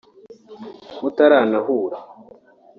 mutaranahura